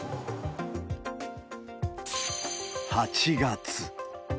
８月。